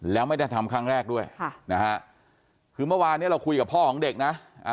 แล้วไม่ได้ทำครั้งแรกด้วยค่ะนะฮะคือเมื่อวานเนี้ยเราคุยกับพ่อของเด็กนะ